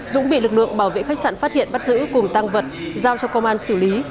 dũng bị lực lượng bảo vệ khách sạn phát hiện bắt giữ cùng tăng vật giao cho công an xử lý